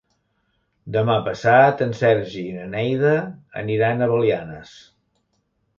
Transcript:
Demà passat en Sergi i na Neida aniran a Belianes.